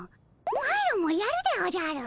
マロもやるでおじゃる！